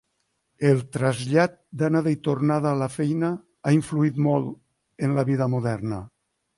El trasllat d'anada i tornada a la feina ha influït molt en la vida moderna.